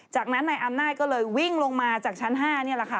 จากนั้นนายอำนาจก็เลยวิ่งลงมาจากชั้น๕นี่แหละค่ะ